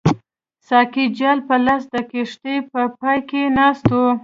ساقي جال په لاس د کښتۍ په پای کې ناست وو.